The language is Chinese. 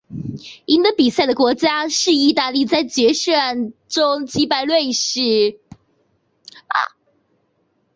赢得比赛的国家是意大利在决赛中击败瑞士。